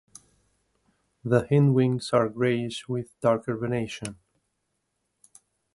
The hindwings are greyish with darker venation.